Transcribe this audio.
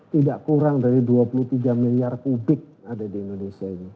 tidak kurang dari dua puluh tiga miliar kubik ada di indonesia ini